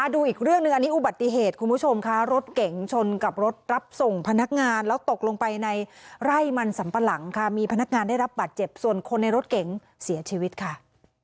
ดูอีกเรื่องหนึ่งอันนี้อุบัติเหตุคุณผู้ชมค่ะรถเก๋งชนกับรถรับส่งพนักงานแล้วตกลงไปในไร่มันสัมปะหลังค่ะมีพนักงานได้รับบัตรเจ็บส่วนคนในรถเก๋งเสียชีวิตค่ะ